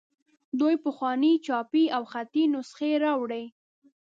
دوی پخوانۍ چاپي او خطي نسخې راوړي.